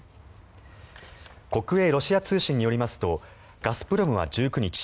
国営ロシア通信によりますとガスプロムは１９日